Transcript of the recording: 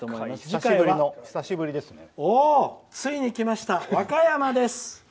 次回はついに来ました和歌山です。